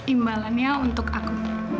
imbalannya untuk aku